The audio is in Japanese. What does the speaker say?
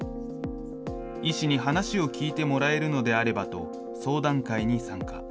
医師に話を聞いてもらえるのであればと、相談会に参加。